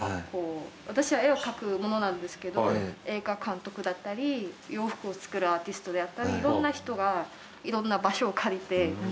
私は絵を描く者なんですけど映画監督だったり洋服を作るアーティストであったりいろんな人がいろんな場所を借りて活動しています。